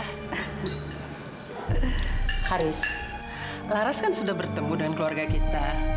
haris laras kan sudah bertemu dengan keluarga kita